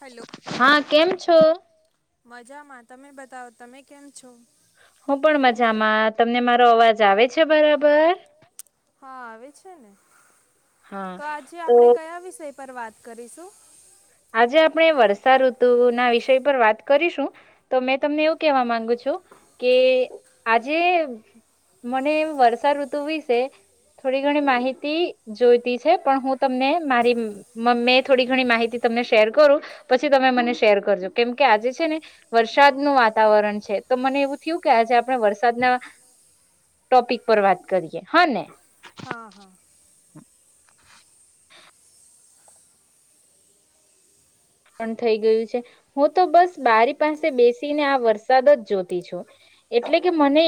Hello હા, કેમ છો? મજામાં, તમે બતાવો તમે કેમ છો? હું પણ મજામાં, તમને મારો અવાજ આવે છે બરાબર. હા, આવે છે ને. હા તો આજે તો આપડે કયા વિષય પર વાત કરીશું. આજે આપણે વર્ષા ઋતુ ના વિષય પર વાત કરીશું. તો મેં તમને એવું કેહેવા માંગુ છું, કે આજે મને વર્ષા ઋતુ વિશે થોડી ઘણી માહિતી જોઈતી છે, પણ હું તમને મારી મમ્મી થોડી ઘણી માહિતી તમને શેર કરું. પછી તમે મને શેર કરજો કેમ કે આજે છે ને વરસાદનું વાતાવરણ છે, તો મને એવું થયું કે આજે આપણે વરસાદના ટોપિક પર વાત કરીએ હ ને. હા. પણ થઈ ગયું છે, હું તો બસ બારી પાસે બેસીને આ વરસાદ જ જોતી છું એટલે કે મને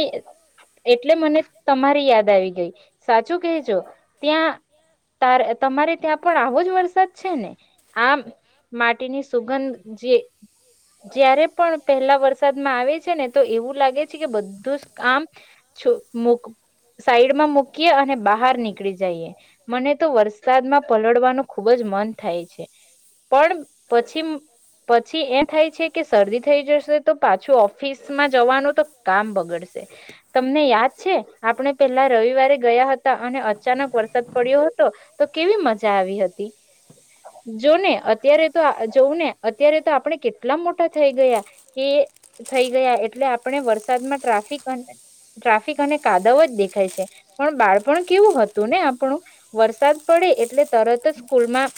એટલે મને તમારી યાદ આવી ગઈ. સાચું કહેજો ત્યાં તારે-તમારે ત્યાં પણ આવો જ વરસાદ છે ને આમ માટીની સુગંધ જે જયારે પણ પહેલા વરસાદમાં આવે છે, ને તો એવું લાગે છે કે બધું જ આામ મુક સાઈડમાં મૂકીએ અને બહાર નીકળી જઈએ, મને તો વરસાદમાં પલળવાનું ખુબ જ મન થાય છે. પણ પછી પછી એ થાય છે કે શરદી થઈ જશે તો, પાછું ઓફિસમાં જવાનું તો કામ બગડશે તમને છે આપણે પેલા રવિવારે ગયા હતા, અને અચાનક વરસાદ પડ્યો હતો તો કેવી મજા આવી હતી, જોને અત્યારે તો જોવું ને અત્યારે તો આપણે કેટલા મોટા થઈ ગયા, કે થઈ ગયા એટલે આપણે વરસાદમાં ટ્રાફિક ટ્રાફિક અને કાદવ જ દેખાય છે, પણ બાળપણ કેવું હતું ને આપણું વરસાદ પડે એટલે તરત જ સ્કૂલમાં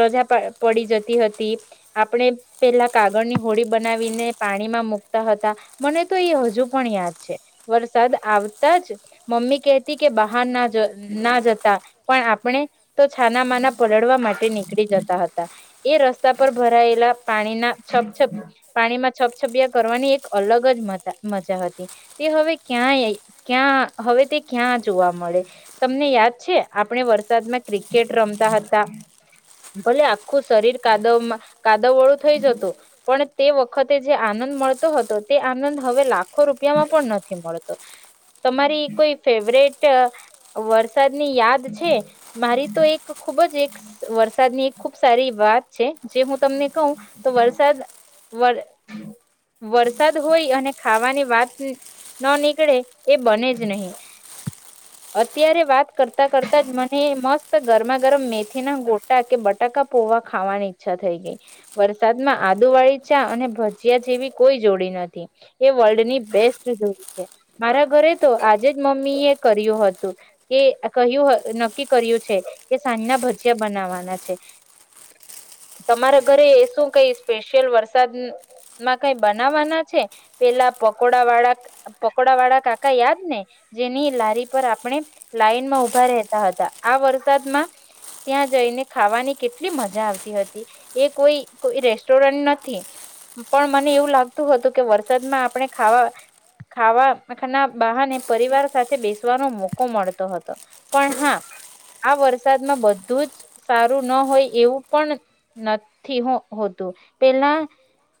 રજા પા પડી જતી હતી. આપણે પેલા કાગળની હોડી બનાવીને પાણીમાં મુૂકતા હતા મને તો એ હજુ પણ યાદ છે. વરસાદ આવતા જ મમ્મી કહેતી કે બહાર ના ના જતા પણ આપણે તો છાના માના પલડવા માટે નીકળી જતા હતા. એ રસ્તા પર ભરાયેલા પાણીના છપછપ પાણીમાં છપછપિયા કરવાની એક અલગ જ મજા હતી, તે હવે ક્યાં ક્યાં હવે તે ક્યાં જોવા મળે તમને યાદ છે આપણે વરસાદમાં ક્રિકેટ રમતા હતા, ભલે ખુ શરીર કાદવ કાદવવાળું થઈ જતું, પણ તે વખતે જે આનંદ મળતો હતો તે આનંદ હવે લાખો રૂપિયામાં પણ નથી મળતો તમારી કોઈ ફેવરેટ વરસાદની યાદ છે, મારી તો એક ખૂબ જ એક વરસાદની એક ખૂબ ખૂબ સારી વાત છે, જે હું તમને કહું તો વરસાદ વર- વરસાદ હોય અને ખાવાની વાત ન નીકળે એ બને જ નહી, અત્યારે વાત કરતા કરતા જ મને મસ્ત ગરમા ગરમ મેથી ના ગોટા કે બટ ટાકા પોવા ખાવાની ઈચ્છા થઈ ગઈ. વરસાદમાં આદુ વાળી ચા અને ભજીયા જેવી કોઈ જોડી નથી એ વર્લ્ડની બેસ્ટ જોડી છે. મારા ઘરે તો આજે જ મમ્મી એ કર્યું હતું કે કહ્યું નક્કી કર્યું છે, કે સાંજના ભજીયા બનાવવાના છે. તમારા ઘરે એ શું કઈ સ્પેશિયલ વરસાદમાં કઈ બનાવાના છે, પેલા પકોડા વાળા પકોડા વાળા કાકા યાદ ને જેની લારી પર આપણે લાઈનમાં ઉભા રહેેતા હતા, આ વરસાદમાં ત્યાં જઈને ખાવાની કેટલી મજા આવતી હતી. એ કોઈ કોઈ રેસ્ટોરન્ટ નથી પણ મને એવું લાગતું હતું કે વરસાદમાં આપણે ખાવા ખાવાના બહારને પરિવાર સાથે બેસવાનો મોકો મળતો હતો. પણ હા, આ વરસાદમાં બધું જ સારું ન હોય એવું પણ નથી હોતું. પેલા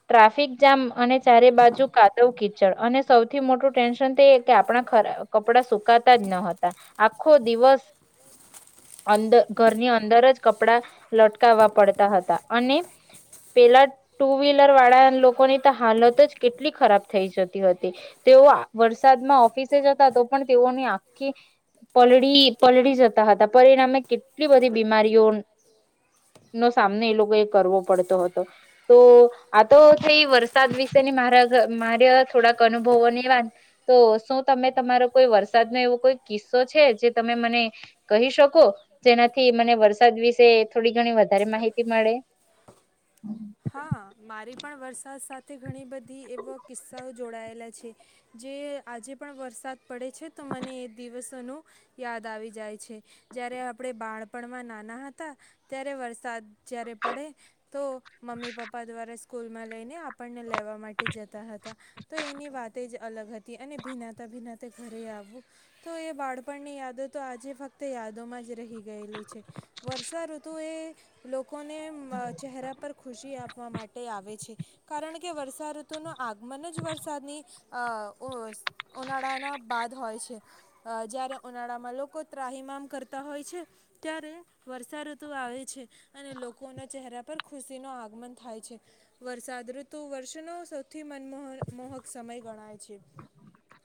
ટ્રાફિક જામ અને ચારે બાજુ કાદવ કીચડ અને સૌથી મોટું ટેન્શન તે કે આપણા ખર કપડા સુકાતા જ ન હતા. આખો દિવસ અંદર ઘરની અંદર જ કપડા લટકાવવા પડતા હતા, અને પેલા ટુ વ્હીલર વાળા લોકોની તો હાલત જ કેટલી ખરાબ થઈ જતી હતી, તેઓ વરસાદમાં ઓફિસે જતા તો પણ તેઓની આખી પલળી પલળી જતા હતા પરિણામે કેટલી બધી બીમારીઓ નો સામનો એ લોકોએ કરવો પડતો હતો, તો આ તો થઈ વરસાદ વિશેની મારા મારે થોડાક અનુભવોની વાત તો શું તમે તમારો કોઈ વરસાદ ન એવો કોઈ કિસ્સો છે? જ જે તમે મને કહી શકો, જેનાથી મને વરસાદ વિ કે થોડી ઘણી વધારે માહિતી મળે. [inaudible] હા મારી પણ વરસાદ સાથે ઘણી બધી એવો કિસ્સાઓ જોડાયેલા છે, જે આજે પણ વરસાદ પડે છે. તો મને એ દિવસ સનું યાદ આવી જાય છે. જ્યારે આપણે બાણપણમાં નાના હતા ત્યારે વરસાદ જ્યારે પડે તો મમ્મી પપ્પા દ્વારા સ્કૂલમાં લઈને આપણને લેવા માટે જતા હતા તો એની વાત જ અલગ હતી અને ભીનાતા ભીનાતે ઘરે આવવું. તો એ બાળપણની યાદો તો આજે ફક્ત યાદોમાં જ રહી ગયેલી છે. વર્ષાઋતુ એ લોકો ને ચહેરા પર. ખુશી આપવા માટે આવે. વે છે કારણ કે વર્ષાઋતુનું આગમન જ વરસાદની અ ઉ ઉનાળાના બાદ હોય છે જ્યારે ઉનાળામાં લોકો ત્રાહીમામ કરતા હોય છે ત્યારે વર્ષાઋતુ આવે છે. અને લોકોના ચહેરા પર ખ ખુશીનો આગમન થાય છે. વરસાદ ઋતુ વર્ષનો સૌથી મનમોહન મોહક સમય ગણાય છે.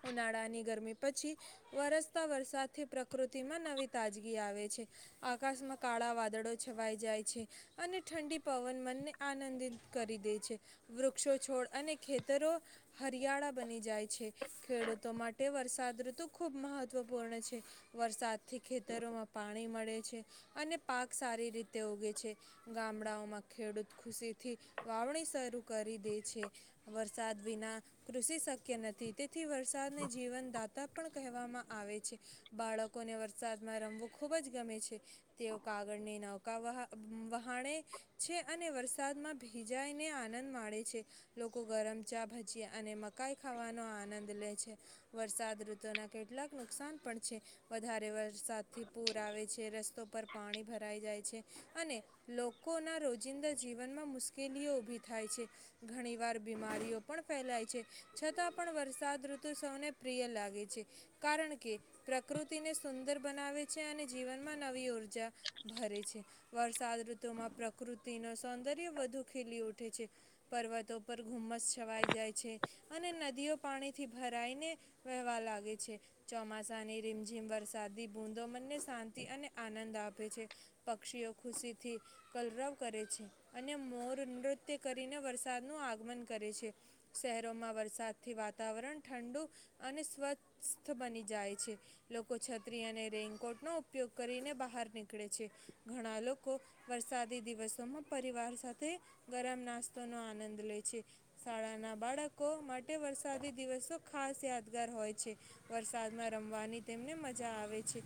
ઉનાળાની ગરમી પછી વરસતા વરસાદથી પ્રકૃતિમાં નવી તાજગી આવે છે. આકાશમાં કાળા વાદળો છવાઈ જાય છે. અને ઠંડી પવન મનને આનંદિત કરી દે છે. વૃક્ષો, છોડ અને ખેતરો હરિયાળા બની જાય છે. ખેડૂતો માટે વરસાદ ઋતુ ખૂબ મહત્વપૂર્ણ છે. વરસાદથી ખેતરોમાં પાણી મળે છે, અને પાક સારી રીતે ઉગે છે. ગામડાઓમાં ખેડૂત ખુશીથી વાવણી શરૂ કરી દે છે. વરસાદ વિના કૃષિ શક્ય નથી તેથી વરસાદને જીવનદાતા પણ કહેવામાં આવે છે. બાળકોને વરસાદમાં રમવું ખૂબ જ ગમે છે, તેઓ કાગળને નૌકા વહા વહાણે છે અને વરસાદમાં ભીજાઈને આનંદ માણે છે. લોકો ગરમ ચા, ભજીયા અને મકાઈ ખાવાનો આનંદ લે છે. વરસાદ ઋતુના કેટલાક નુકસાન પણ છે. વધારે વરસાદથી પૂર આવે છે, રસ્તો પર પાણી ભરાઈ જાય છે અને લોકોના રોજિંદા જીવન માં મુશ્કેલીઓ ઉભી થાય છે. ઘણી વાર બીમારીઓ પણ ફેલાય છે. છતાં પણ વરસાદ ઋતુ સૌને પ્રિય લાગે છે કારણ કે પ્રકૃતિને સુંદર બનાવે છે, અને જીવનમાં નવી ઊર્જા ભરે છે. વરસાદ ઋતુમાં પ્ર કૃતિ નો સૌંદર્ય વધુ ખીલી ઉઠે છે. પર્વતો પર ધુમ્મસ છવાઈ જાય છે, અને નદીઓ પાણીથી ભરાઈને વહેવા લાગે છે. ચોમાસાની રીમઝીમ વરસાદી બૂંદો મને શાંતિ અને આનંદ આપ પે છે. પક્ષીઓ ખુશીથી કલરવ કરે છે અને મોર નૃત્ય કરીને વરસાદનું આગમન કરે છે. શહેરોમાં વરસાદથી વાતાવરણ ઠંડુ અને સ્વસ્થ બની જાય છે. લોકો છત્રી અને રેઇનકોટ નો ઉપયોગ કરીને બહાર નીકળે છે, ઘણા લોકો વરસા વરસાદી દિવસોમાં પરિવાર સાથે ગરમ નાસ્તોનો આનંદ લે છે. શાળાના બાળકો માટે વરસાદી દિવસો ખાસ યાદગાર હોય છે. વરસાદમાં રમવાની તેમને મજા આવે છે,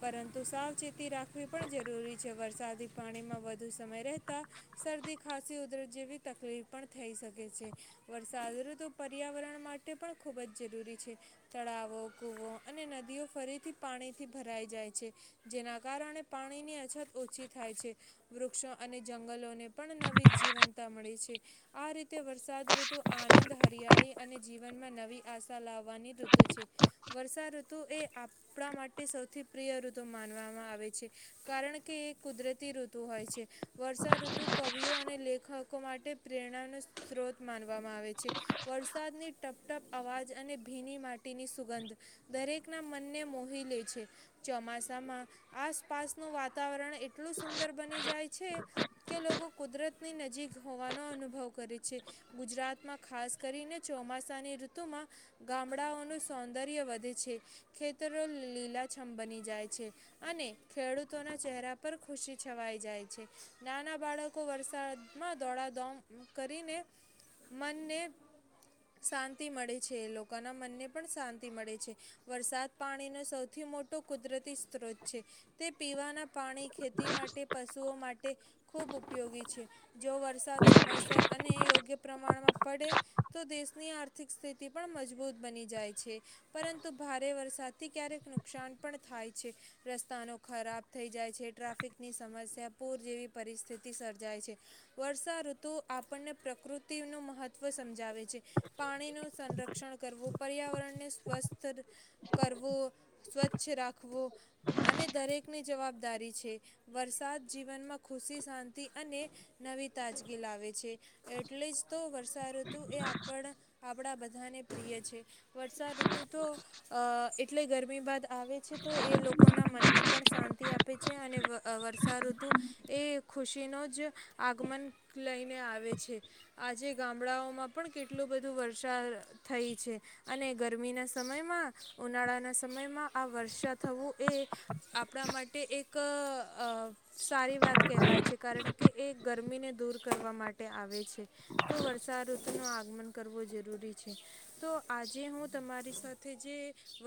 પરંતુ સાવચેત તી રાખવી પણ જરૂરી છે વરસા સાદી પાણીમાં. વધું સમય રહેતા શરદી, ખાંસી, ઉધરસ જેવી તકલીફ પણ થઈ શકે છે. વરસાદ ઋતુ પર્યાવરણ માટે પણ ખૂબ જ જરૂરી છે. તળાવો, કૂવો અને નદીઓ ફરીથી પાણીથી ભરાઈ જાય છે. જેના કારણે પાણીની અછત ઓછી થાય છે. વૃક્ષો અને જંગલોને પણ નવી જીવંતતા મળે છે. આ રીતે વરસાદ ઋતુ આનંદ, હરિયાળી અને જીવનમાં નવી આશા લાવવાની ઋતુ છે. વર્ષા ઋતુ એ આપણા માટે સૌથી પ્રિય ઋતુ માનવામાં આવે છે, કારણ કે એ કુદરતી ઋતુ તું હોય છે. વર્ષા ઋતુ કવિઓ અને લેખકો માટે પ્રેરણાનો સ્ત્રોત માનવામાં આવે છે. વરસાદની ટપટપ અવાજ અને ભીની માટીની સુગંધ દરેકના મનને મોહી લે છે. ચોમાસામાં આસપાસનું વાતાવરણ એટલું સુંદર બની જાય છે કે લોકો કુદરત ની નજીક હોવાનો અનુભવ કરે છે. ગુજરાતમાં ખાસ કરીને ચોમાસાની ઋતુમાં ગામડાઓનું સૌંદર્ય વધે છે ખેતરો લીલાછમ બની જાય છે અને ખેડૂતોના ચહેરા પર ખુશી. છવાઈ જાય છે નાના બાળકો વરસાદમાં દોડાદોણ કરીને મનને શાંતિ મળે છે લોકોના મનને પણ શાંતિ મળે. છે વરસાદ પાણીનો સૌથી મોટો કુદરતી સ્ત્રોત છે તે પીવાના પાણી કે તે માટે પશુઓ માટ ટે ખૂબ ઉપયોગી છે જો વરસાદ સમયસર અને યોગ્ય પ્રમાણમાં પડે તો દેશની આર્થિક સ્થિતિ પણ મજબૂત બની જાય છે. પરંતુ ભારે વરસાદથી ક્યારેક નુકસાન પણ થાય છે રસ્તાનો ખરાબ થઈ જાય છે. ટ્રાફિકની સમસ્યા પૂર જેવી પરિસ્થિતિ સર્જાય છે વર્ષાઋતુ આપણને પ્રકૃતિનું મહત્વ સમજાવે છે. પાણી નું સંરક્ષણ કરવું. પર્યાવરણને સ્વસ્થ કરવું સ્વચ્છ રાખવું અને દરેકની જવાબદારી છે. એ વરસાદ જીવનમાં ખુશી શાંતિ અને નવી તાજગી લાવે છે એટલે જ તો વર્ષાઋતુ એ આપણા આપડા બધાને પ્રિય છે. વર્ષાઋતુ તું તો અ એ એટલે ગરમી બાદ આવે છે તો એ લોકોના મનને પણ શાંતિ આપે. છે અને વર્ષા ઋતુ એ ખુશીનું જ આગમન લઈને આવે છે. આજે ગામડાઓમાં પણ કેટલું બધું વર્ષા થઈ છે અને ગરમીના સમયમાં ઉનાળાના સમયમાં આ વર્ષા થવું એ આપણા માટે એક ક અ સારી વાત કહેવાય છે કારણ કે એ ગરમીને દૂર કરવા માટે આવે છે. તો વર્ષા ઋતુનું આગમન કરવું જરૂરી છે તો આજે હું તમારી સાથે જે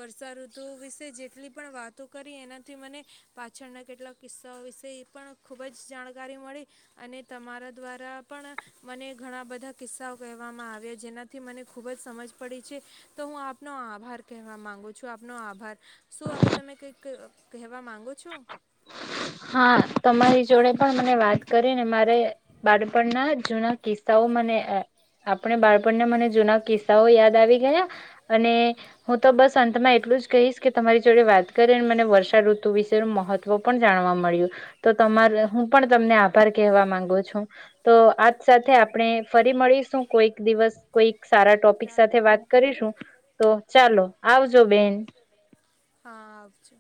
વર્ષાઋતુ વિશે જેટલી પણ વાતો કરી એનાથી મને પાછ પાછળના કેટલાક કિસ્સાઓ વિશે એ પણ ખૂબ જ જાણકારી મળે, અને તમારા દ્વારા પણ મને ઘણા બધા કિસ્સાઓ કહેવામાં આવ્યા, જેનાથી મને ખૂબ જ સમજ પડી છે. તો હું આપનો આભાર કહેવા માગું છું. આપનો આભાર. શું હવે તમે કંઈક કહેવા માગો છો? હા તમારી જોડે પણ મને વાત કરી ને મારે બાળપણના જૂના કિસ્સાઓ મને અહ આપણે બાળપણના મને જૂના કિસ્સાઓ યાદ આવી ગયા, અને હું તો બસ અંતમાં એટલું જ કહીશ કે તમારી જોડે વાત કરીને મને વર્ષા ઋતુ વિશેનું મહત ત્વ પણ જાણવા મળ્યું. તો તમાર હું પણ તમને આભાર કહેવા માંગુ છું, તો આ જ સાથે આપ પણે ફરી મળીશું કોઈક દિવસ, કોઈ સારા ટોપિક હા સાથે વાત કરીશું. તો ચાલો આવજો બેન. હા આવજે